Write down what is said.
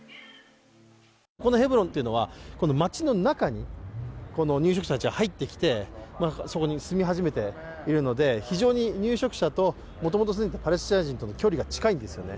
このヘブロンというのは町の中に入植者たちが入ってきて、そこに住み始めているので非常に入植者ともともと住んでいたパレスチナ人との距離が近いんですよね。